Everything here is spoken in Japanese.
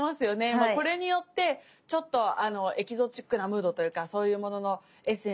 まあこれによってちょっとあのエキゾチックなムードというかそういうもののエッセンスになると思います。